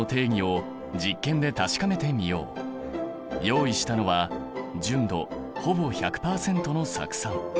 用意したのは純度ほぼ１００％の酢酸。